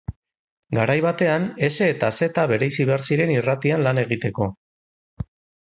Garai batean s eta z bereizi behar ziren irratian lan egiteko.